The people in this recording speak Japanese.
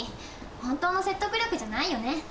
本当の説得力じゃないよね。